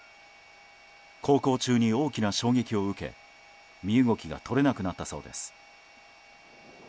航行中に大きな衝撃を受け身動きが取れなくなったそうです。